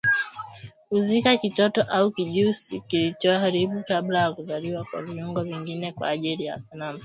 Kuzika kitoto au kijusi kilichoharibika kabla ya kuzaliwa na viungo vingine kwa njia salama